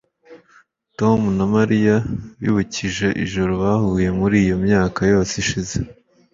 tom na mariya bibukije ijoro bahuye muri iyo myaka yose ishize